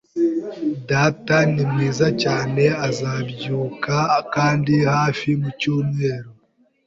Data ni mwiza cyane. Azabyuka kandi hafi mucyumweru.